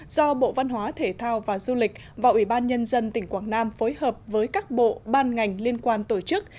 do bộ văn hóa thể thao và du lịch và ủy ban nhân dân tỉnh quảng nam phối hợp với các bộ ban ngành liên quan tổ chức